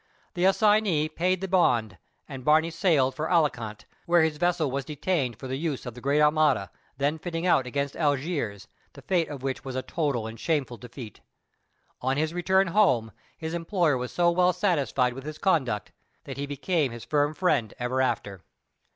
The assignee paid the bond, and Barney sailed for Alicant, where his vessel was detained for the use of the great armada, then fitting out against Algiers, the fate of which was a total and shameful defeat. On his return home, his employer was so well satisfied with his conduct, that he became his firm friend ever after.